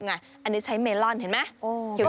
อันนี้ใช้เมลอนเห็นไหม